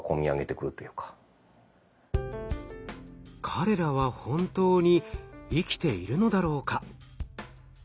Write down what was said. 「彼らは本当に生きているのだろうか？」。